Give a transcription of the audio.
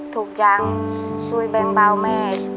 ถูกยังช่วยแบงบาวแม่